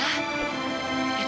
mama kamilah tak nangis